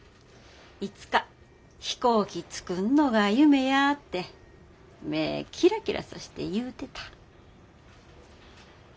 いつか飛行機作んのが夢やて目ぇキラキラさして言うてた。